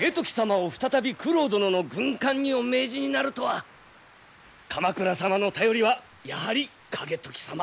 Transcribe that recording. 景時様を再び九郎殿の軍監にお命じになるとは鎌倉様の頼りはやはり景時様。